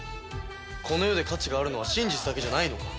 この世で価値があるのは真実だけじゃないのか？